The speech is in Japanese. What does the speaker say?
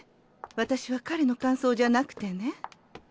私は彼の感想じゃなくてね